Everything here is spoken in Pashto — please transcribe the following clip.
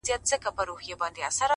زما اشنا خبري پټي ساتي ـ